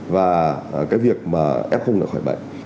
và cái việc mà ép không khỏi bệnh